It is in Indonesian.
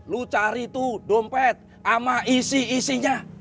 lu cari tuh dompet sama isi isinya